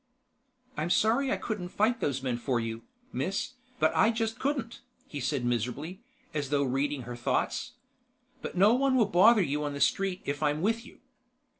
"I'm sorry I couldn't fight those men for you, Miss, but I just couldn't," he said miserably, as though reading her thoughts. "But no one will bother you on the street if I'm with you."